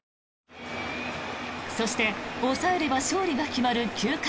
そして抑えれば勝利が決まる９回。